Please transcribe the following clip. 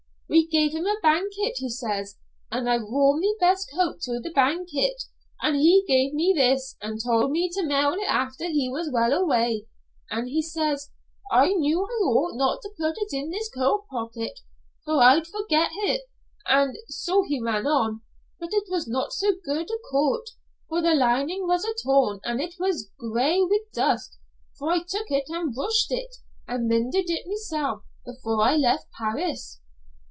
We gave him a banket,' he says, 'an' I wore my best coat to the banket, an' he gave me this an' told me to mail it after he was well away,' an' he says, 'I knew I ought not to put it in this coat pocket, for I'd forget it,' an' so he ran on; but it was no so good a coat, for the lining was a' torn an' it was gray wi' dust, for I took it an' brushed it an' mended it mysel' before I left Paris."